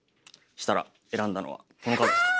したら選んだのはこのカードですか？